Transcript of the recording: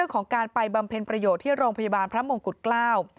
ของการไปบำเพ็ญประโยชน์ที่โรงพยาบาลพระมงกุฎเกล้า